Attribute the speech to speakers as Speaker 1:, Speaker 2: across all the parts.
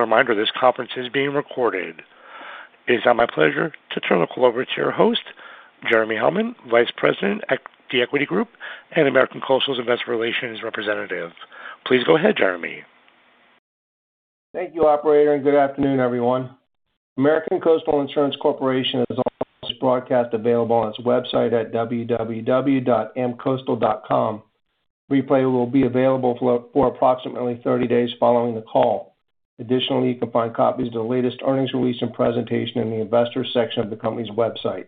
Speaker 1: As a reminder, this conference is being recorded. It is now my pleasure to turn the call over to your host, Jeremy Hellman, Vice President at The Equity Group and American Coastal's Investor Relations representative. Please go ahead, Jeremy.
Speaker 2: Thank you, operator, and good afternoon, everyone. American Coastal Insurance Corporation has this broadcast available on its website at www.amcoastal.com. Replay will be available for approximately 30 days following the call. Additionally, you can find copies of the latest earnings release and presentation in the Investors section of the company's website.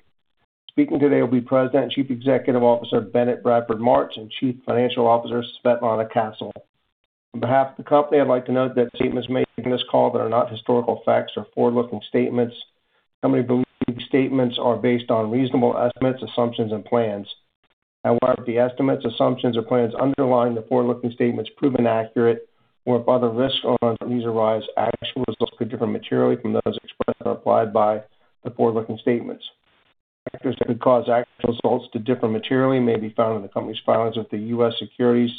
Speaker 2: Speaking today will be President and CEO, Bennett Bradford Martz, and CFO, Svetlana Castle. On behalf of the company, I'd like to note that statements made during this call that are not historical facts are forward-looking statements. The company believes these statements are based on reasonable estimates, assumptions, and plans. However, if the estimates, assumptions or plans underlying the forward-looking statements proven accurate, or if other risks or uncertainties arise, actual results could differ materially from those expressed or implied by the forward-looking statements. Factors that could cause actual results to differ materially may be found in the company's filings with the U.S. Securities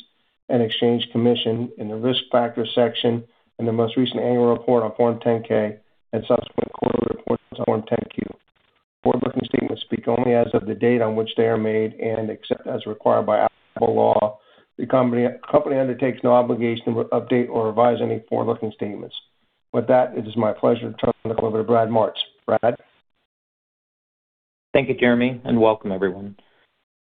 Speaker 2: and Exchange Commission in the Risk Factors section, and the most recent annual report on Form 10-K and subsequent quarterly reports on Form 10-Q. Forward-looking statements speak only as of the date on which they are made, and except as required by applicable law, the company undertakes no obligation to update or revise any forward-looking statements. With that, it is my pleasure to turn the call over to Brad Martz. Brad?
Speaker 3: Thank you, Jeremy, and welcome everyone.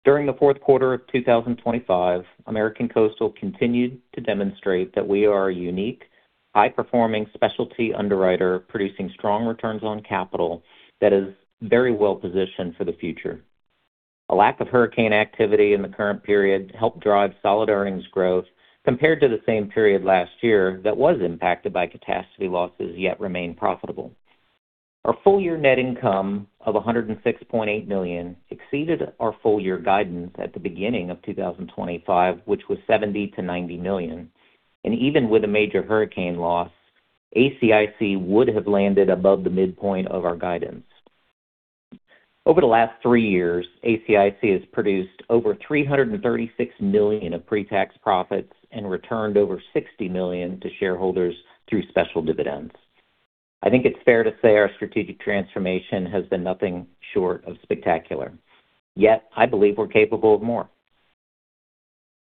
Speaker 3: During the Q4 of 2025, American Coastal continued to demonstrate that we are a unique, high-performing specialty underwriter, producing strong returns on capital that is very well positioned for the future. A lack of hurricane activity in the current period helped drive solid earnings growth compared to the same period last year that was impacted by catastrophe losses, yet remained profitable. Our full year net income of $106.8 million exceeded our full year guidance at the beginning of 2025, which was $70 million-90 million. And even with a major hurricane loss, ACIC would have landed above the midpoint of our guidance. Over the last three years, ACIC has produced over $336 million of pre-tax profits and returned over $60 million to shareholders through special dividends. I think it's fair to say our strategic transformation has been nothing short of spectacular, yet I believe we're capable of more.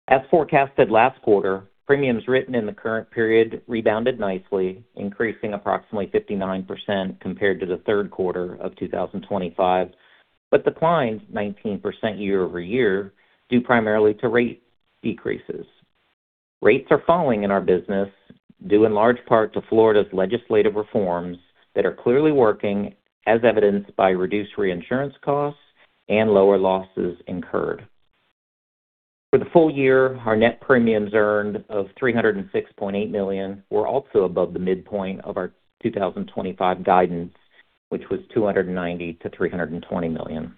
Speaker 3: As forecasted last quarter, premiums written in the current period rebounded nicely, increasing approximately 59% compared to the Q3 of 2025, but declined 19% year-over-year, due primarily to rate decreases. Rates are falling in our business, due in large part to Florida's legislative reforms that are clearly working as evidenced by reduced reinsurance costs and lower losses incurred. For the full year, our net premiums earned of $306.8 million were also above the midpoint of our 2025 guidance, which was $290 million-320 million.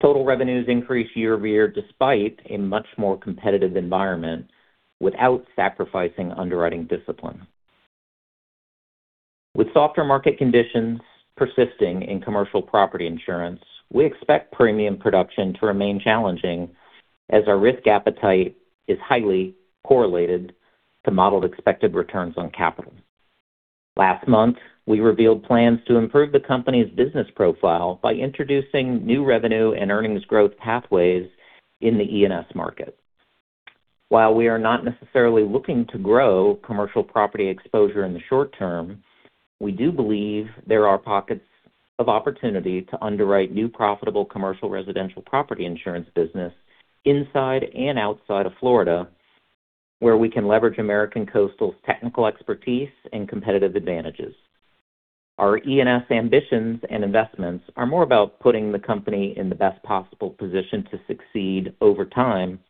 Speaker 3: Total revenues increased year-over-year, despite a much more competitive environment without sacrificing underwriting discipline. With softer market conditions persisting in commercial property insurance, we expect premium production to remain challenging as our risk appetite is highly correlated to modeled expected returns on capital. Last month, we revealed plans to improve the company's business profile by introducing new revenue and earnings growth pathways in the E&S market. While we are not necessarily looking to grow commercial property exposure in the short term, we do believe there are pockets of opportunity to underwrite new, profitable commercial residential property insurance business inside and outside of Florida, where we can leverage American Coastal's technical expertise and competitive advantages. Our E&S ambitions and investments are more about putting the company in the best possible position to succeed over time,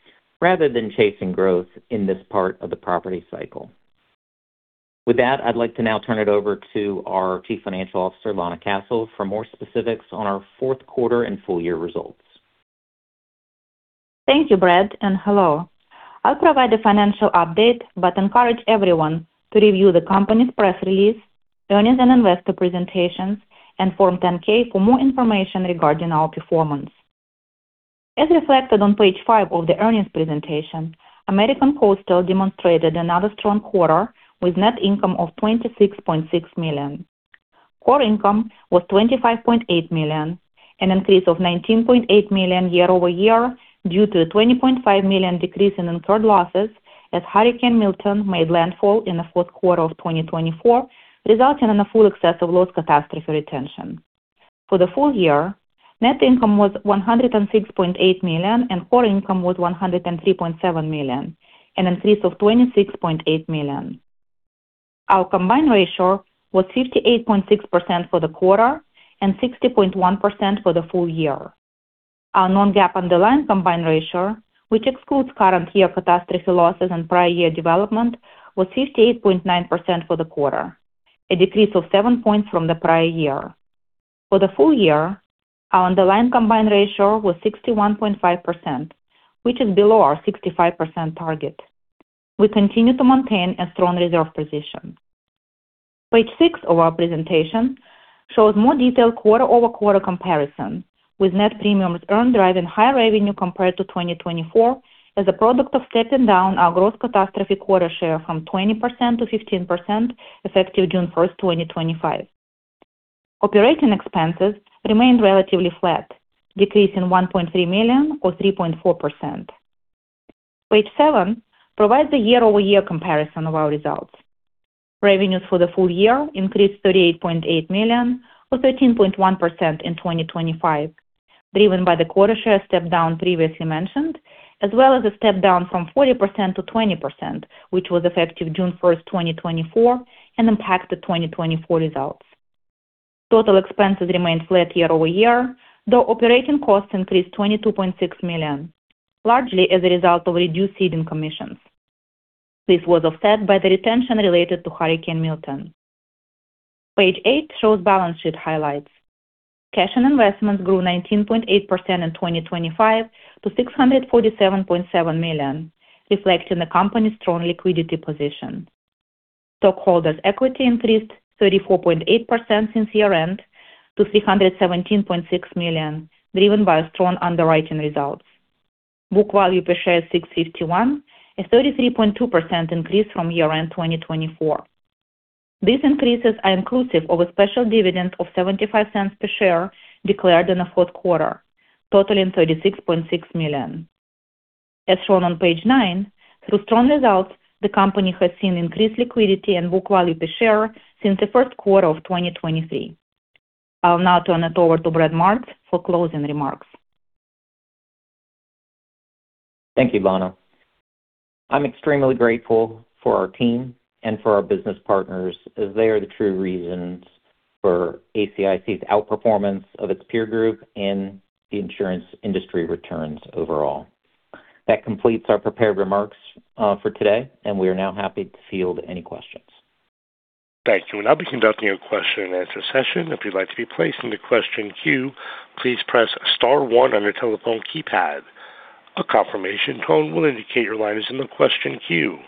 Speaker 3: rather than chasing growth in this part of the property cycle. With that, I'd like to now turn it over to our CFO, Lana Castle, for more specifics on our Q4 and full year results.
Speaker 4: Thank you, Brad, and hello. I'll provide a financial update, but encourage everyone to review the company's press release, earnings and investor presentations, and Form 10-K for more information regarding our performance. As reflected on page 5 of the earnings presentation, American Coastal demonstrated another strong quarter with net income of $26.6 million. Core income was $25.8 million, an increase of $19.8 million year-over-year due to a $20.5 million decrease in incurred losses as Hurricane Milton made landfall in the Q4 of 2024, resulting in a full excess of loss catastrophe retention. For the full year, net income was $106.8 million, and core income was $103.7 million, an increase of $26.8 million. Our combined ratio was 58.6% for the quarter and 60.1% for the full year. Our non-GAAP underlying combined ratio, which excludes current year catastrophe losses and prior year development, was 58.9% for the quarter, a decrease of 7 points from the prior year. For the full year, our underlying combined ratio was 61.5%, which is below our 65% target. We continue to maintain a strong reserve position. Page 6 of our presentation shows more detailed quarter-over-quarter comparison, with net premiums earned driving higher revenue compared to 2024 as a product of stepping down our gross catastrophe quota share from 20% to 15%, effective June 1, 2025. Operating expenses remained relatively flat, decreasing $1.3 million or 3.4%. Page 7 provides the year-over-year comparison of our results. Revenues for the full year increased $38.8 million, or 13.1% in 2025, driven by the quota share step down previously mentioned, as well as a step down from 40% to 20%, which was effective June 1, 2024, and impacted 2024 results. Total expenses remained flat year-over-year, though operating costs increased $22.6 million, largely as a result of reduced ceding commissions. This was offset by the retention related to Hurricane Milton. Page 8 shows balance sheet highlights. Cash and investments grew 19.8% in 2025 to $647.7 million, reflecting the company's strong liquidity position. Stockholders' equity increased 34.8% since year-end to $317.6 million, driven by strong underwriting results. book value per share is $6.51, a 33.2% increase from year-end 2024. These increases are inclusive of a special dividend of $0.75 per share declared in the Q4, totaling $36.6 million. As shown on page 9, through strong results, the company has seen increased liquidity and book value per share since the Q1 of 2023. I'll now turn it over to Brad Martz for closing remarks.
Speaker 3: Thank you, Lana. I'm extremely grateful for our team and for our business partners, as they are the true reasons for ACIC's outperformance of its peer group in the insurance industry returns overall. That completes our prepared remarks for today, and we are now happy to field any questions.
Speaker 1: Thank you. We'll now be conducting a question-and-answer session. If you'd like to be placed in the question queue, please press star one on your telephone keypad. A confirmation tone will indicate your line is in the question queue.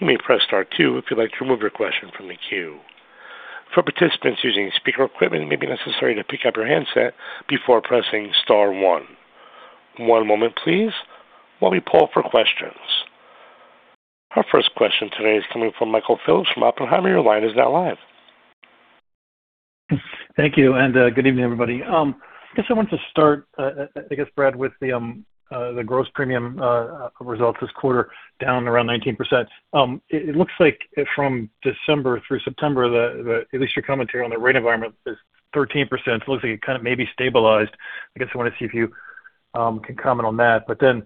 Speaker 1: You may press star two if you'd like to remove your question from the queue. For participants using speaker equipment, it may be necessary to pick up your handset before pressing star one. One moment please, while we poll for questions. Our first question today is coming from Michael Phillips from Oppenheimer. Your line is now live.
Speaker 5: Thank you, and good evening, everybody. I guess I want to start, Brad, with the gross premium results this quarter, down around 19%. It looks like from December through September, at least your commentary on the rate environment is 13%. It looks like it kind of maybe stabilized. I guess I want to see if you can comment on that, but then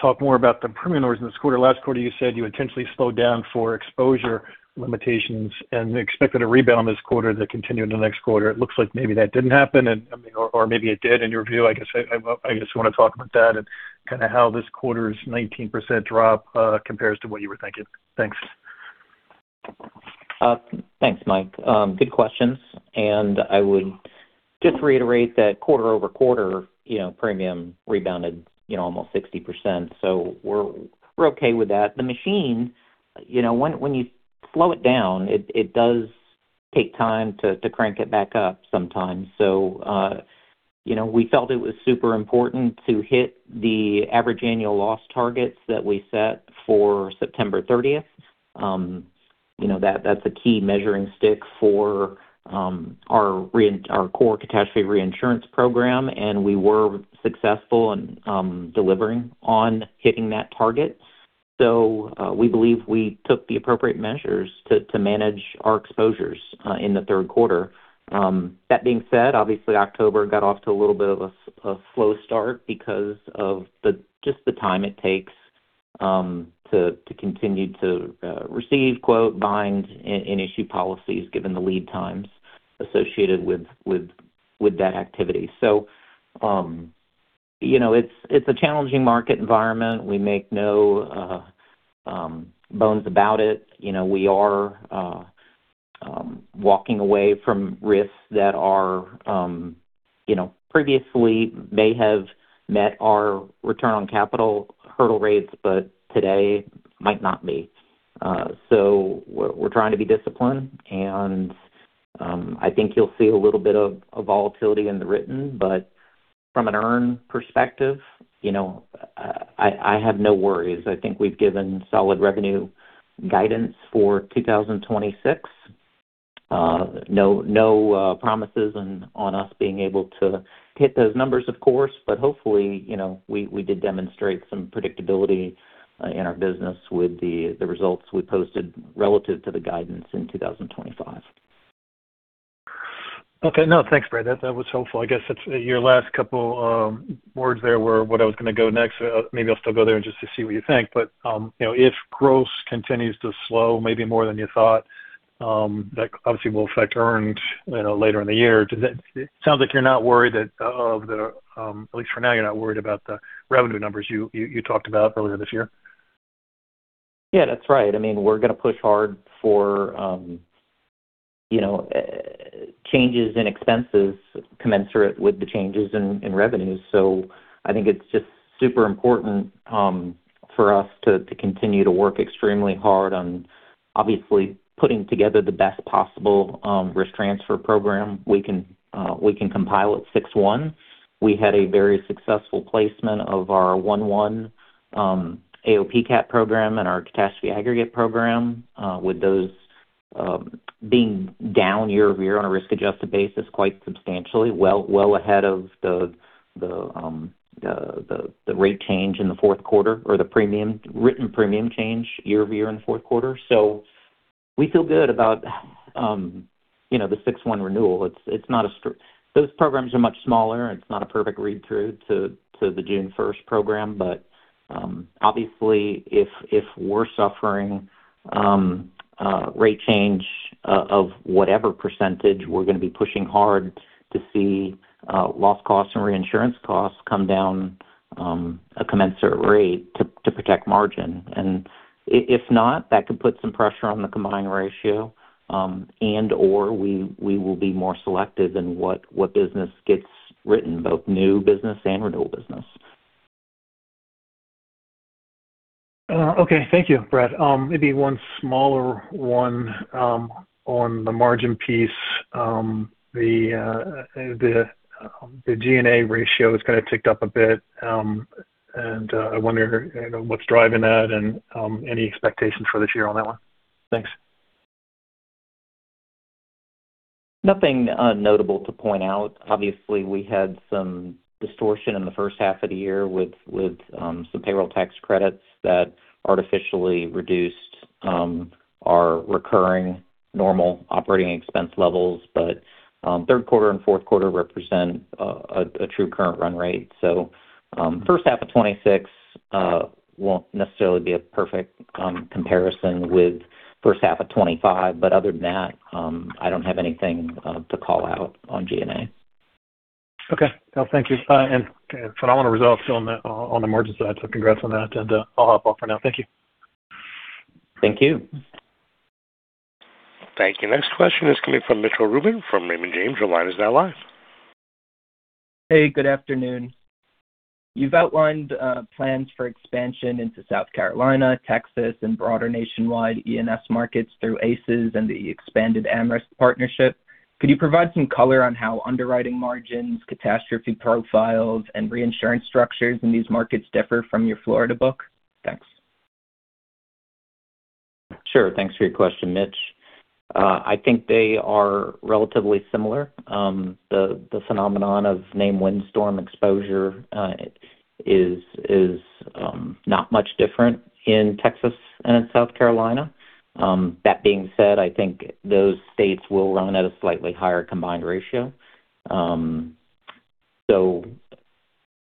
Speaker 5: talk more about the premium orders in this quarter. Last quarter, you said you intentionally slowed down for exposure limitations and expected a rebound this quarter that continued in the next quarter. It looks like maybe that didn't happen, or maybe it did in your view. I guess I just want to talk about that and kind of how this quarter's 19% drop compares to what you were thinking. Thanks.
Speaker 3: Thanks, Mike. Good questions, and I would just reiterate that quarter-over-quarter, you know, premium rebounded, you know, almost 60%. So we're okay with that. The machine, you know, when you slow it down, it does take time to crank it back up sometimes. So, you know, we felt it was super important to hit the average annual loss targets that we set for September thirtieth. You know, that's a key measuring stick for our core catastrophe reinsurance program, and we were successful in delivering on hitting that target. So, we believe we took the appropriate measures to manage our exposures in the Q3. That being said, obviously October got off to a little bit of a slow start because of just the time it takes to continue to receive, quote, bind and issue policies, given the lead times associated with that activity. So, you know, it's a challenging market environment. We make no bones about it. You know, we are walking away from risks that are, you know, previously may have met our return on capital hurdle rates, but today might not be. So we're trying to be disciplined and I think you'll see a little bit of volatility in the written, but from an earn perspective, you know, I have no worries. I think we've given solid revenue guidance for 2026. No, no, promises on us being able to hit those numbers, of course, but hopefully, you know, we did demonstrate some predictability in our business with the results we posted relative to the guidance in 2025.
Speaker 5: Okay. No, thanks, Brad. That, that was helpful. I guess that's your last couple words there were what I was going to go next. Maybe I'll still go there and just to see what you think. But, you know, if gross continues to slow, maybe more than you thought, that obviously will affect earned, you know, later in the year. Does that... It sounds like you're not worried that, of the, at least for now, you're not worried about the revenue numbers you talked about earlier this year.
Speaker 3: Yeah, that's right. I mean, we're going to push hard for, you know, changes in expenses commensurate with the changes in revenues. So I think it's just super important for us to continue to work extremely hard on obviously putting together the best possible risk transfer program we can compile at 6/1. We had a very successful placement of our 1/1 AOP CAT Program and our Catastrophe Aggregate Program, with those being down year-over-year on a risk-adjusted basis, quite substantially, well ahead of the rate change in the Q4 or the written premium change year-over-year in the Q4. So we feel good about, you know, the 6/1 renewal. Those programs are much smaller, and it's not a perfect read-through to the June first program. But obviously, if we're suffering rate change of whatever percentage, we're going to be pushing hard to see loss costs and reinsurance costs come down a commensurate rate to protect margin. And if not, that could put some pressure on the combined ratio, and/or we will be more selective in what business gets written, both new business and renewal business.
Speaker 5: Okay. Thank you, Brett. Maybe one smaller one on the margin piece. The G&A ratio has kind of ticked up a bit, and I wonder, you know, what's driving that and any expectations for this year on that one? Thanks.
Speaker 3: Nothing, notable to point out. Obviously, we had some distortion in the H1 of the year with some payroll tax credits that artificially reduced our recurring normal operating expense levels. But, Q3 and Q4 represent a true current run rate. So, H1 of 2026 won't necessarily be a perfect comparison with H1 of 2025, but other than that, I don't have anything to call out on G&A.
Speaker 5: Okay. Well, thank you. And phenomenal results on the, on the margin side, so congrats on that. And, I'll hop off for now. Thank you.
Speaker 3: Thank you.
Speaker 1: Thank you. Next question is coming from Mitchell Rubin from Raymond James. Your line is now live.
Speaker 6: Hey, good afternoon. You've outlined plans for expansion into South Carolina, Texas, and broader nationwide E&S markets through ACES and the expanded AmRisc partnership. Could you provide some color on how underwriting margins, catastrophe profiles, and reinsurance structures in these markets differ from your Florida book? Thanks.
Speaker 3: Sure. Thanks for your question, Mitch. I think they are relatively similar. The phenomenon of named windstorm exposure is not much different in Texas and in South Carolina. That being said, I think those states will run at a slightly higher combined ratio. So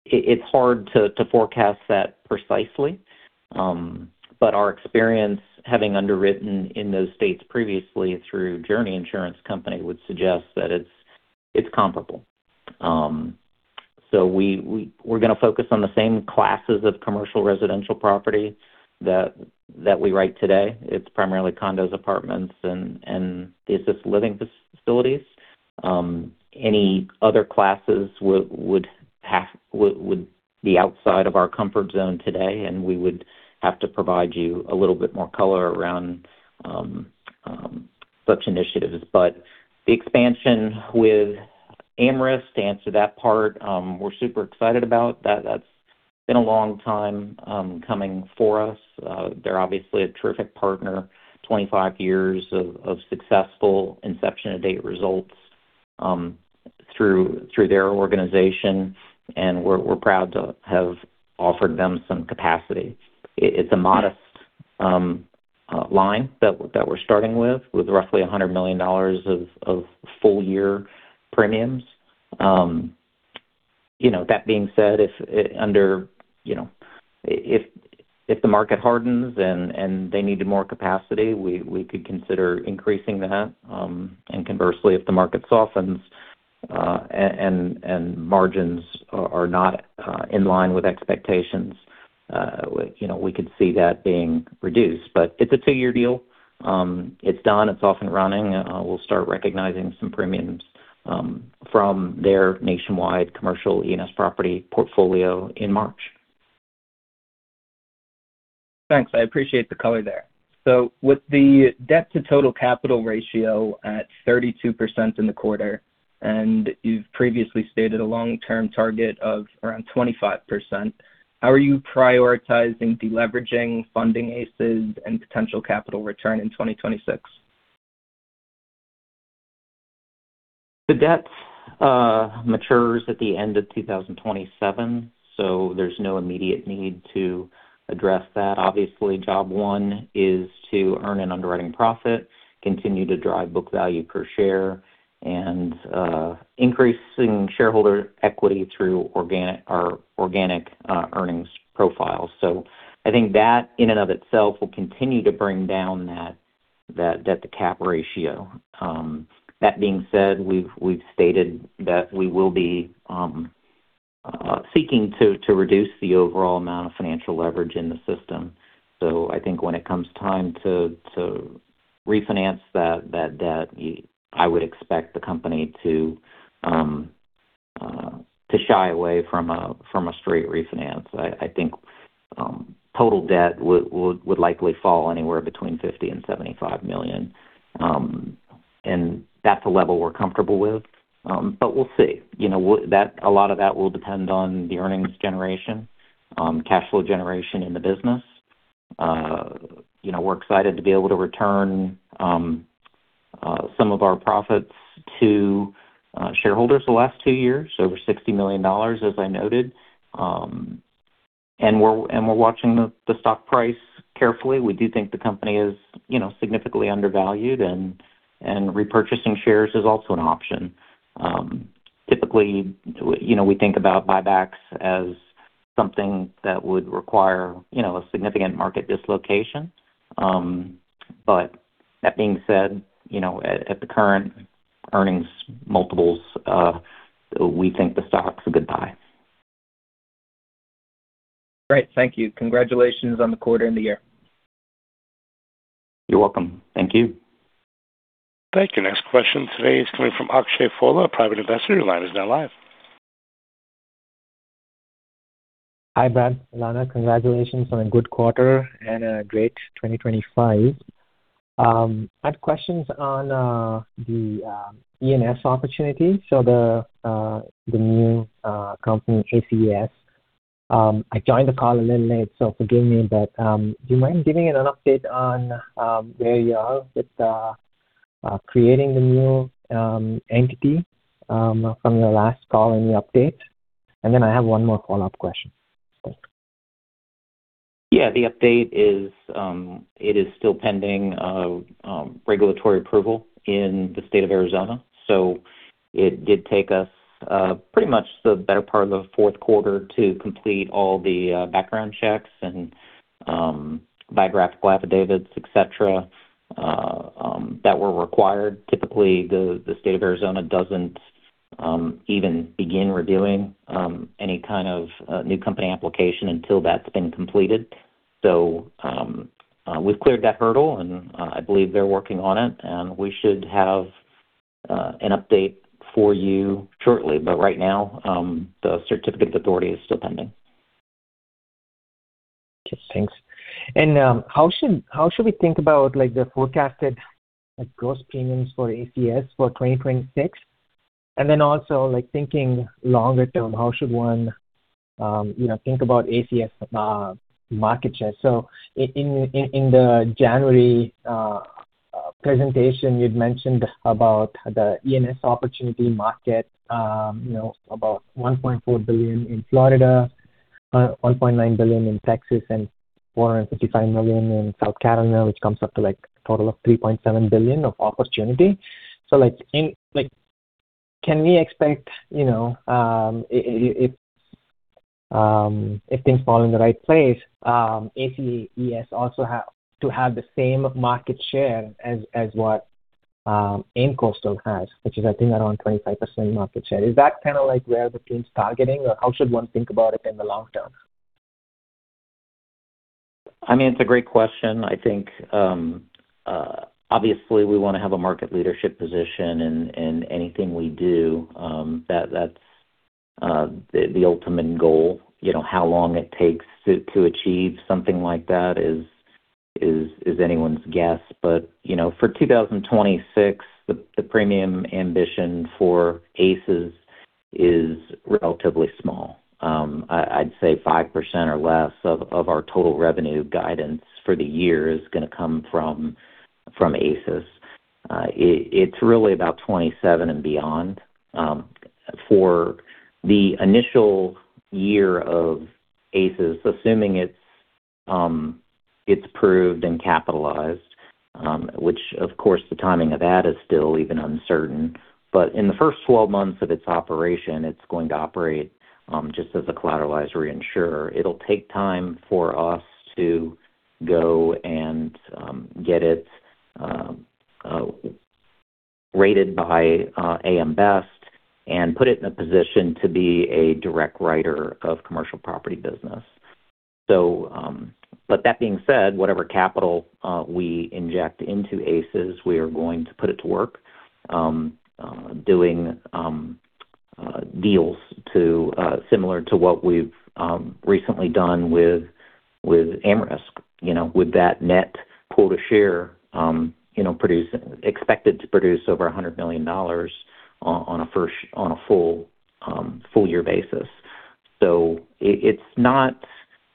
Speaker 3: it's hard to forecast that precisely. But our experience, having underwritten in those states previously through Journey Insurance Company, would suggest that it's comparable. So we're going to focus on the same classes of commercial residential property that we write today. It's primarily condos, apartments, and assisted living facilities. Any other classes would be outside of our comfort zone today, and we would have to provide you a little bit more color around such initiatives. But the expansion with AmRisc, to answer that part, we're super excited about. That, that's been a long time coming for us. They're obviously a terrific partner, 25 years of successful inception to date results through their organization, and we're proud to have offered them some capacity. It's a modest line that we're starting with, with roughly $100 million of full year premiums. You know, that being said, if under you know, if the market hardens and they need more capacity, we could consider increasing that. And conversely, if the market softens and margins are not in line with expectations, you know, we could see that being reduced. But it's a two-year deal. It's done. It's off and running. We'll start recognizing some premiums from their nationwide commercial E&S property portfolio in March.
Speaker 6: Thanks. I appreciate the color there. So with the debt to total capital ratio at 32% in the quarter, and you've previously stated a long-term target of around 25%, how are you prioritizing deleveraging, funding ACES, and potential capital return in 2026?
Speaker 3: The debt matures at the end of 2027, so there's no immediate need to address that. Obviously, job one is to earn an underwriting profit, continue to drive book value per share, and increasing shareholder equity through organic or organic earnings profiles. So I think that in and of itself will continue to bring down that debt to cap ratio. That being said, we've stated that we will be seeking to reduce the overall amount of financial leverage in the system. So I think when it comes time to refinance that debt, I would expect the company to shy away from a straight refinance. I think total debt would likely fall anywhere between $50 million-$75 million. And that's a level we're comfortable with, but we'll see. You know, that a lot of that will depend on the earnings generation, cash flow generation in the business. You know, we're excited to be able to return some of our profits to shareholders the last two years, over $60 million, as I noted. And we're watching the stock price carefully. We do think the company is, you know, significantly undervalued, and repurchasing shares is also an option. Typically, you know, we think about buybacks as something that would require, you know, a significant market dislocation. But that being said, you know, at the current earnings multiples, we think the stock's a good buy.
Speaker 6: Great. Thank you. Congratulations on the quarter and the year.
Speaker 3: You're welcome. Thank you.
Speaker 1: Thank you. Next question today is coming from Akshay Fola, a private investor. Your line is now live.
Speaker 7: Hi, Brad, Lana. Congratulations on a good quarter and a great 2025. I have questions on the E&S opportunity, so the new company, ACES. I joined the call a little late, so forgive me, but do you mind giving an update on where you are with creating the new entity from your last call, any update? And then I have one more follow-up question.
Speaker 3: Yeah, the update is, it is still pending regulatory approval in the state of Arizona. So it did take us pretty much the better part of the Q4 to complete all the background checks and biographical affidavits, et cetera, that were required. Typically, the state of Arizona doesn't even begin reviewing any kind of new company application until that's been completed. So we've cleared that hurdle, and I believe they're working on it, and we should have an update for you shortly. But right now, the certificate of authority is still pending.
Speaker 7: Okay, thanks. And, how should, how should we think about, like, the forecasted, like, gross premiums for ACES for 2026? And then also, like, thinking longer term, how should one, you know, think about ACES, market share? So in the January presentation, you'd mentioned about the E&S opportunity market, you know, about $1.4 billion in Florida, $1.9 billion in Texas and $455 million in South Carolina, which comes up to, like, a total of $3.7 billion of opportunity. So like, in, like, can we expect, you know, if, if things fall in the right place, ACES also have to have the same market share as, as what, AmCoastal has, which is, I think, around 25% market share. Is that kind of like where the team's targeting, or how should one think about it in the long term?
Speaker 3: I mean, it's a great question. I think, obviously, we want to have a market leadership position in anything we do, that that's the ultimate goal. You know, how long it takes to achieve something like that is anyone's guess. But, you know, for 2026, the premium ambition for ACES is relatively small. I'd say 5% or less of our total revenue guidance for the year is going to come from ACES. It's really about 2027 and beyond, for the initial year of ACES, assuming it's approved and capitalized, which of course, the timing of that is still even uncertain. But in the first 12 months of its operation, it's going to operate just as a collateralized reinsurer. It'll take time for us to go and get it rated by AM Best and put it in a position to be a direct writer of commercial property business. But that being said, whatever capital we inject into ACES, we are going to put it to work doing deals similar to what we've recently done with AmRisc, you know, with that net quota share, you know, expected to produce over $100 million on a full year basis. So it's not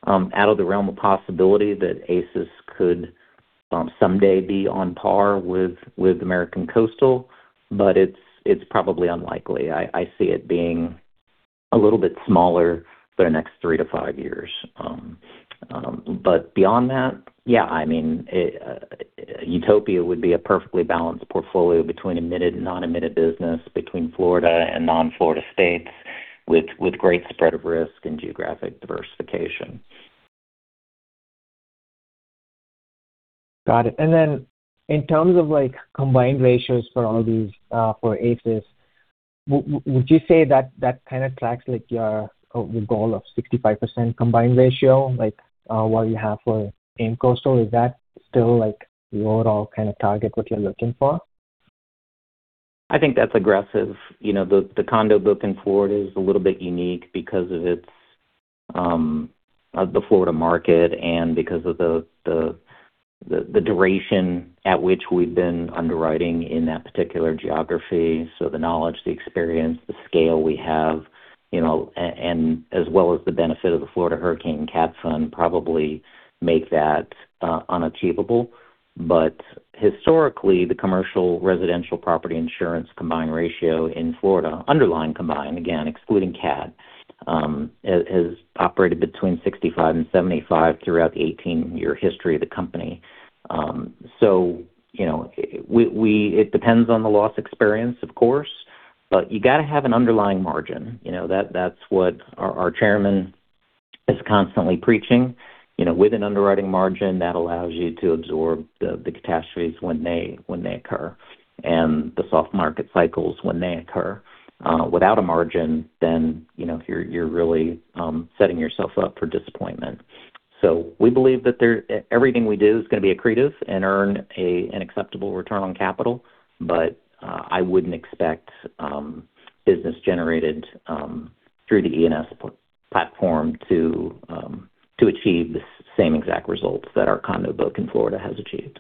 Speaker 3: out of the realm of possibility that ACES could someday be on par with American Coastal, but it's probably unlikely. I see it being a little bit smaller for the next three-five years. But beyond that, yeah, I mean, utopia would be a perfectly balanced portfolio between admitted and non-admitted business, between Florida and non-Florida states, with great spread of risk and geographic diversification....
Speaker 7: Got it. And then in terms of like combined ratios for all these, for ACES, would you say that, that kind of tracks like your, your goal of 65% combined ratio, like, what you have for AmCoastal? Is that still like the overall kind of target, what you're looking for?
Speaker 3: I think that's aggressive. You know, the condo book in Florida is a little bit unique because of the Florida market and because of the duration at which we've been underwriting in that particular geography. So the knowledge, the experience, the scale we have, you know, and as well as the benefit of the Florida Hurricane Cat Fund, probably make that unachievable. But historically, the commercial residential property insurance combined ratio in Florida, underlying combined, again, excluding Cat, has operated between 65 and 75 throughout the 18-year history of the company. So you know, it depends on the loss experience, of course, but you gotta have an underlying margin. You know, that's what our chairman is constantly preaching. You know, with an underwriting margin that allows you to absorb the catastrophes when they occur, and the soft market cycles when they occur. Without a margin, then, you know, you're really setting yourself up for disappointment. So we believe that everything we do is going to be accretive and earn an acceptable return on capital. But I wouldn't expect business generated through the E&S platform to achieve the same exact results that our condo book in Florida has achieved.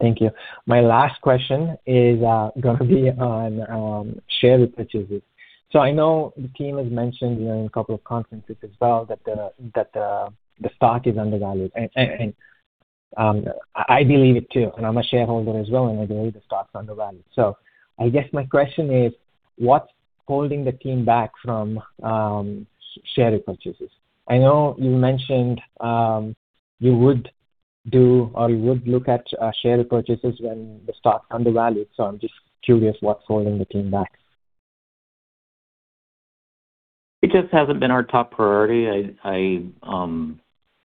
Speaker 7: Thank you. My last question is going to be on share repurchases. So I know the team has mentioned in a couple of conferences as well, that the stock is undervalued. And I believe it too, and I'm a shareholder as well, and I believe the stock's undervalued. So I guess my question is: What's holding the team back from share repurchases? I know you mentioned you would do or you would look at share repurchases when the stock's undervalued, so I'm just curious what's holding the team back.
Speaker 3: It just hasn't been our top priority. I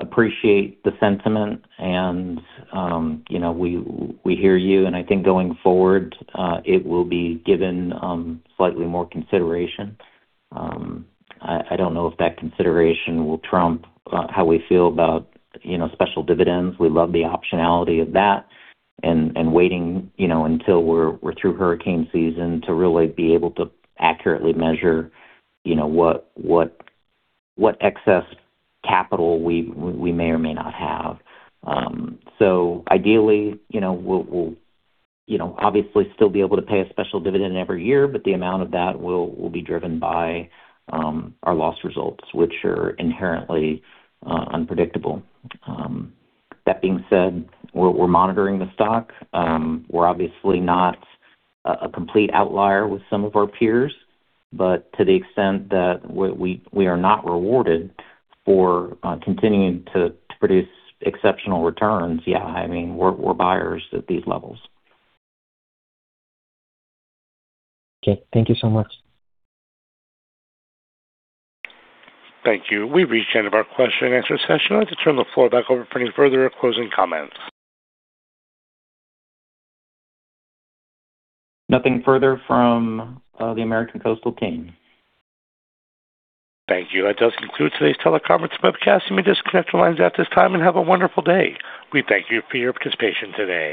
Speaker 3: appreciate the sentiment and, you know, we hear you, and I think going forward, it will be given slightly more consideration. I don't know if that consideration will trump how we feel about, you know, special dividends. We love the optionality of that and waiting, you know, until we're through hurricane season to really be able to accurately measure, you know, what excess capital we may or may not have. So ideally, you know, we'll, you know, obviously still be able to pay a special dividend every year, but the amount of that will be driven by our loss results, which are inherently unpredictable. That being said, we're monitoring the stock. We're obviously not a complete outlier with some of our peers, but to the extent that we are not rewarded for continuing to produce exceptional returns, yeah, I mean, we're buyers at these levels.
Speaker 7: Okay. Thank you so much.
Speaker 1: Thank you. We've reached the end of our question-and-answer session. I'd like to turn the floor back over for any further closing comments.
Speaker 3: Nothing further from, the American Coastal team.
Speaker 1: Thank you. That does conclude today's teleconference webcast. You may disconnect your lines at this time and have a wonderful day. We thank you for your participation today.